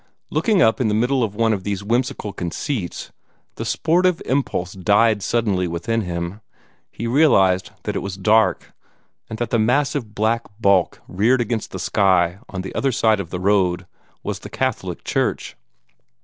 Looking up in the middle of one of these whimsical conceits, the sportive impulse died suddenly within him. He realized that it was dark, and that the massive black bulk reared against the sky on the other side of the road was the Catholic church.